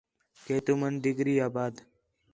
کہ تُمن ڈگری آ بعد